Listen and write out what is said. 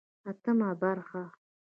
اتمه برخه